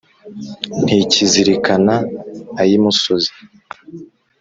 ntikizirikana ay’imusozi,